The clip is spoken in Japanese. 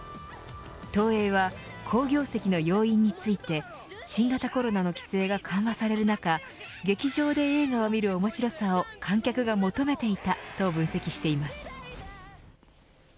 東映は好業績の要因について新型コロナの規制が緩和される中劇場で映画を見る面白さを観客が求めていたと分析しています。